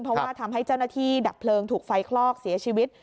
เพราะว่าทำให้เจ้าหน้าที่ดับเพลิงถูกไฟคลอกเสียชีวิต